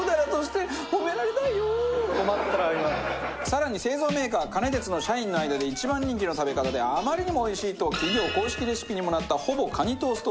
更に製造メーカーカネテツの社員の間で一番人気の食べ方であまりにもおいしいと企業公式レシピにもなったほぼカニトーストを作ります。